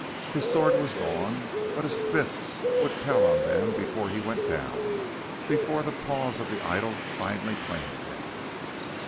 His sword was gone, but his fists would tell on them before he went down, before the paws of the idol finally claimed him....